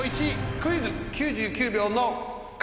クイズ９９秒の壁。